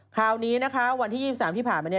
คราวนี้นะคะวันที่๒๓ที่ผ่านมา